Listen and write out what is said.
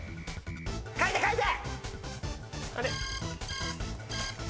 書いて書いて！